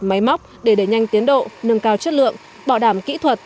máy móc để đẩy nhanh tiến độ nâng cao chất lượng bảo đảm kỹ thuật